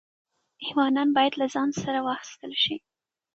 ایوانان باید له ځان سره واخیستل شي.